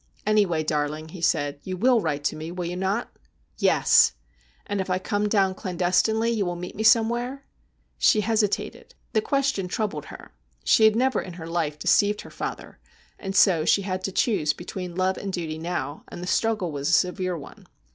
' Anyway, darling,' he said, ' you will write to me, will you not ?'' Yes.' ' And if I come down clandestinely you will meet me some where ?' She hesitated. The question troubled her. She had never in her life deceived her father, and so she had to choose be tween love and duty now, and the struggle was a severe one.